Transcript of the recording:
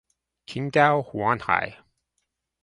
Qingdao Huanghai